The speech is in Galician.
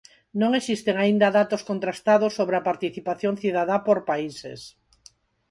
Non existen aínda datos contrastados sobre a participación cidadá por países.